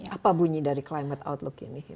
apa bunyi dari climate outlook ini